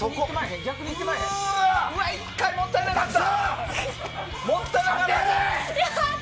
１回もったいなかった。